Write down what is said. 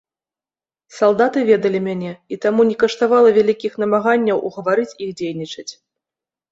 Салдаты ведалі мяне, і таму не каштавала вялікіх намаганняў угаварыць іх дзейнічаць.